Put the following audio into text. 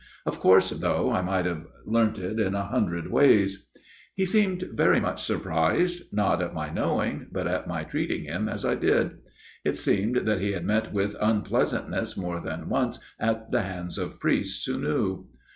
Of course, though, I might have learnt it in a hundred ways. " He seemed very much surprised not at my knowing, but at my treating him as I did. It seemed that he had met with unpleasantness more than once at the hands of priests who knew.